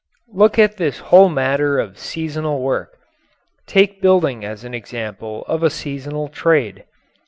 Look at this whole matter of seasonal work. Take building as an example of a seasonal trade.